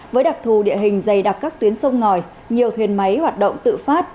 với đặc thù địa hình dày đặc các tuyến sông ngòi nhiều thuyền máy hoạt động tự phát